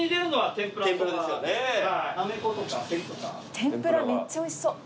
天ぷらめっちゃおいしそう。